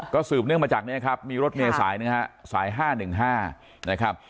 ก็สืบเนื่องมาจากนี้ครับมีรถเมย์สายหนึ่งฮะสาย๕๑๕นะครับ